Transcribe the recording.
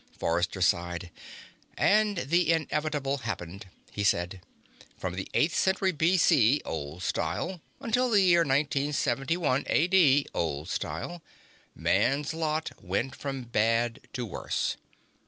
Forrester sighed. "And the inevitable happened," he said. "From the eighth century B.C., Old Style, until the year 1971 A.D., Old Style, Man's lot went from bad to worse.